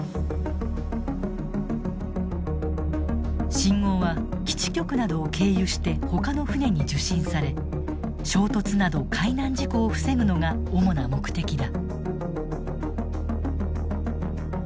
信号は基地局などを経由して他の船に受信され衝突など海難事故を防ぐのが主な目的だ。